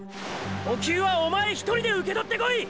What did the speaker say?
補給はおまえ一人で受け取ってこい！！